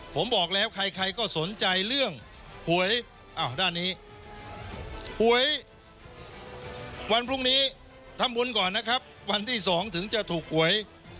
ผมบอกแล้วใครก็สนใจเรื่องหวยอ้าวด้านนี้หวยวันพรุ่งนี้ทำบุญก่อนนะครับวันที่๒ถึงจะถูกหวย